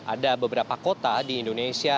ada beberapa kota di indonesia